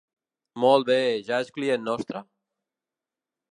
Molt bé, ja és client nostre?